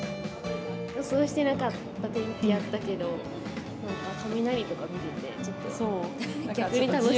予想していなかった天気だったけど、なんか雷とか見れて、ちょっと逆に楽しかった。